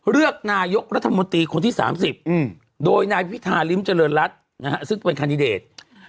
เลือกนายกรัฐมนตรีคนที่๓๐โดยนายพิธาริมเจริญรัฐซึ่งเป็นคันดิเดต